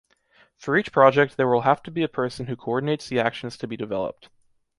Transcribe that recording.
For each project there will have to be a person who coordinates the actions to be developed.